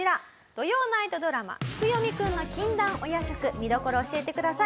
土曜ナイトドラマ『月読くんの禁断お夜食』見どころ教えてください。